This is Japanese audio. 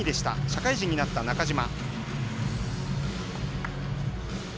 社会人になった中島。